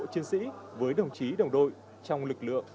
chiến sĩ với đồng chí đồng đội trong lực lượng